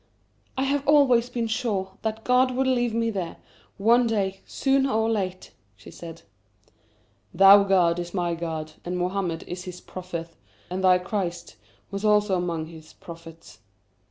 "I have always been sure that God would lead me there, one day, soon or late," she said. "Thy God is my God, and Mohammed is his Prophet, as thy Christ was also among his Prophets.